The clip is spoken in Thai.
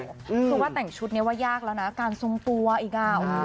คือว่าแต่งชุดนี้ว่ายากแล้วนะการทรงตัวอีกอ่ะ